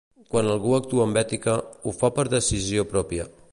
Quan algú actua amb ètica, ho fa per decisió pròpia.